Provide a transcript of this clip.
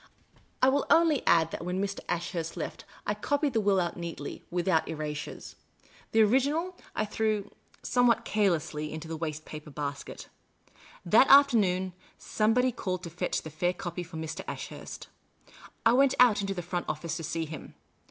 I will only add that when Mr. Ashurst left, I copied the "WHAT, YOU hkre!" he cried. will out neatly, without erasures. The rough original I threw (somewhat carelessly) into the waste paper basket. That afternoon, somebody called to fetch the fair copy for Mr. Ashurst. I went out into the front office to see him.